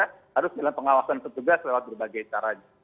harus dalam pengawasan petugas lewat berbagai caranya